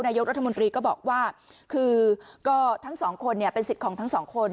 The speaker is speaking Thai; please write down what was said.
นายกรัฐมนตรีก็บอกว่าคือก็ทั้งสองคนเนี่ยเป็นสิทธิ์ของทั้งสองคน